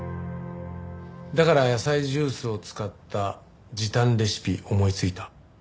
だから野菜ジュースを使った時短レシピ思いついた。